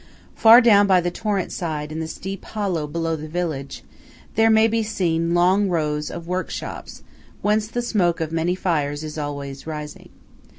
Far down by the torrent side in the steep hollow below the village, there may be seen long rows of workshops whence the smoke of many fires is always rising.